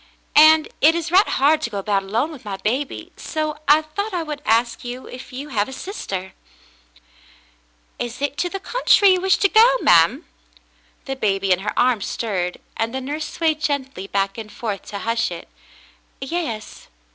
"And it is right hard to go about alone with my baby, so I thought I would ask you if you have a sister." David's Ancestors 273 "Is it to the country you wish to go, ma'm?" The baby in her arms stirred, and the nurse swayed gently back and forth to hush it. "Yes."